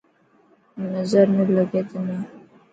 نظر نه لگي تنا.